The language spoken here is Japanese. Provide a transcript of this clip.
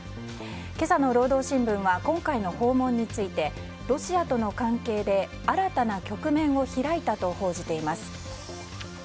今朝の労働新聞は今回の訪問についてロシアとの関係で新たな局面を開いたと報じています。